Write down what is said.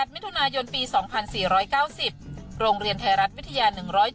มิถุนายนปี๒๔๙๐โรงเรียนไทยรัฐวิทยา๑๐๗